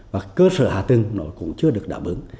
và cơ sở hạ tưng nó cũng chưa được đảm ứng